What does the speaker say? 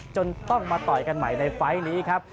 จนต้องมาต่อยกันใหม่ในไฟล์นี้ครับ